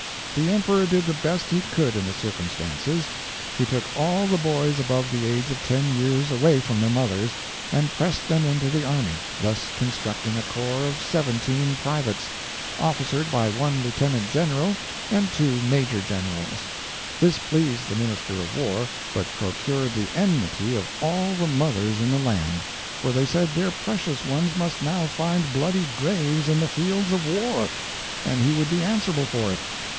The emperor did the best he could in the circumstances: he took all the boys above the age of ten years away from their mothers, and pressed them into the army, thus constructing a corps of seventeen privates, officered by one lieutenant general and two major generals. This pleased the minister of war, but procured the enmity of all the mothers in the land; for they said their precious ones must now find bloody graves in the fields of war, and he would be answerable for it.